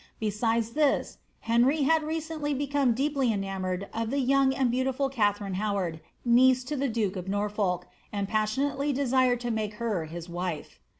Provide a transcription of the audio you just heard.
Besides this, Henry li»ii recently become deeply enamoured of the young and beautiful Ka ririr Howard, niece to the duke of Norfolk, and passionately desired like her his wife.